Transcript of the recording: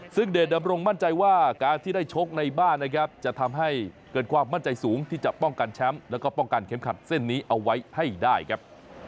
ซึ่งเดชดำรงมั่นใจว่าการที่ได้ชกในบ้านนะครับจะทำให้เกิดความมั่นใจสูงที่จะป้องกันแชมป์แล้วก็ป้องกันเข็มขัดเส้นนี้เอาไว้ให้ได้ครับ